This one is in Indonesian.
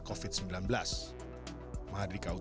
jangan sampai karena lalai anda dan keluarga anda bisa mengalir